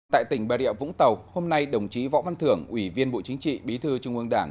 tại tỉnh bà rịa vũng tàu hôm nay đồng chí võ văn thưởng ủy viên bộ chính trị bí thư trung ương đảng